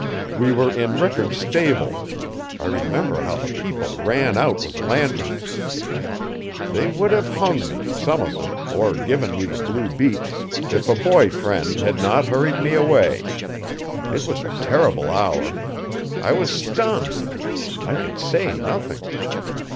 We were in Rickard's stable. I remember how the people ran out with lanterns. They would have hung me some of them or given me the blue beech, if a boy friend had not hurried me away. It was a terrible hour. I was stunned; I could say nothing.